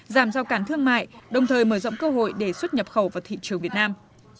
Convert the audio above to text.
giảm giao cản thương mại đồng thời mở rộng cơ hội để xuất nhập khẩu vào thị trường việt nam